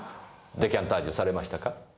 デカンタージュされましたか？